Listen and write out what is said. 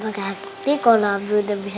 mungkin berarti kalau abi udah berhenti